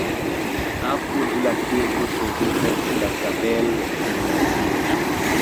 Apud la kirko troviĝas la Zabel-gimnazio.